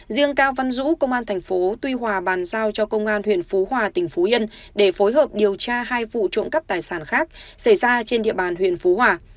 riêng cao văn dũ công an thành phố tuy hòa bàn giao cho công an huyện phú hòa tỉnh phú yên để phối hợp điều tra hai vụ trộm cắp tài sản khác xảy ra trên địa bàn huyện phú hòa